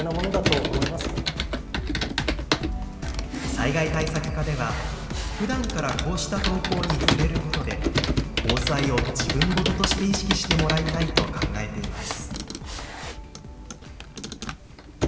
災害対策課ではふだんからこうした投稿に触れることで防災を自分事として意識してもらいたいと考えています。